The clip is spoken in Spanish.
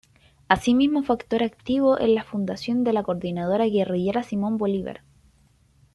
Así mismo fue actor activo en la fundación de la Coordinadora Guerrillera Simón Bolívar.